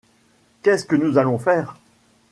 Qu'est-ce que nous allons faire ?